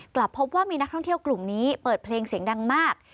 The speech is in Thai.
กลับพบว่ามีนักท่องเที่ยวกลุ่มนี้เปิดเพลงเสียงดังมาก